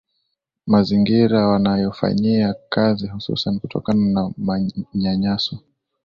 mazingira wanayofanyia kazi hususan kutokana na manyanyaso